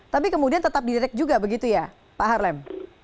tapi kemudian tetap diderek juga begitu ya pak harlem